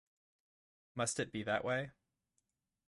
Must it be that way?